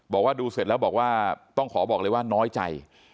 บอกว่าดูเสร็จแล้วบอกว่าต้องขอบอกเลยว่าน้อยใจ